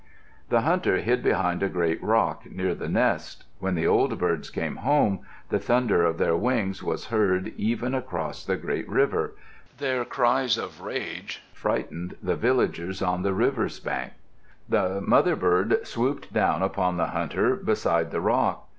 The hunter hid behind a great rock near the nest. When the old birds came home, the thunder of their wings was heard even across the great river; their cries of rage frightened the villagers on the river's bank. The mother bird swooped down upon the hunter beside the rock.